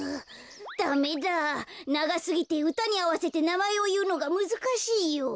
ダメだながすぎてうたにあわせてなまえをいうのがむずかしいよ。